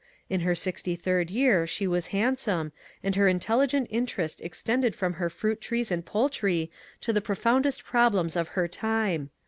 In her sixty third year she was handsome, and her intelligent interest extended from her fruit trees and poultry to the pro foundest problems of her time.